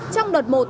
trong đợt một